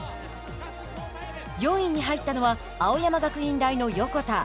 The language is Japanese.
４位に入ったのは青山学院大の横田。